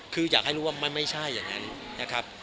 คืออยากให้รู้ว่ามันไม่ใช่อย่างนั้นนะครับ